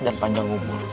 dan panjang umur